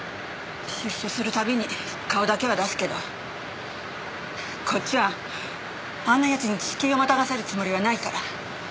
出所するたびに顔だけは出すけどこっちはあんな奴に敷居をまたがせるつもりはないから。